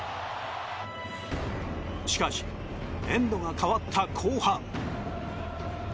しかし、エンドが変わった後半。